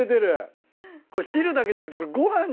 これ汁だけじゃなくて。